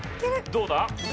どうだ？